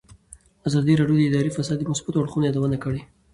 ازادي راډیو د اداري فساد د مثبتو اړخونو یادونه کړې.